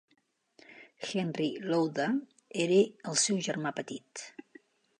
Henry Lowther era el seu germà petit.